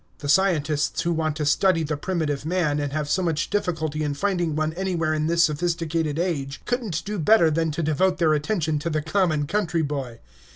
The scientists who want to study the primitive man, and have so much difficulty in finding one anywhere in this sophisticated age, couldn't do better than to devote their attention to the common country boy.